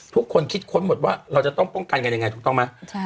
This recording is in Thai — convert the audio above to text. ทุกคนคิดค้นหมดว่าเราจะต้องป้องกันกันยังไงถูกต้องไหม